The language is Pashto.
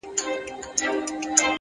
هر منزل د نوې تجربې سرچینه ده!